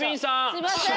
すいません！